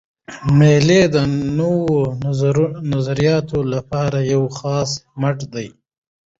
مېلې د نوو نظریاتو له پاره یو خلاص مټ دئ.